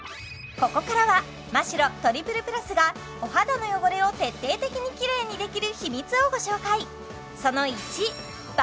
ここからはマ・シロトリプルプラスがお肌の汚れを徹底的にキレイにできる秘密をご紹介！